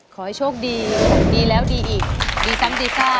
ขอให้โชคดีดีแล้วดีอีกดีซ้ำดีซ่า